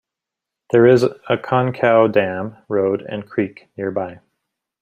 There is a Concow Dam, Road, and Creek nearby.